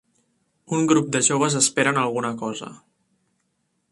Un grup de joves esperen alguna cosa.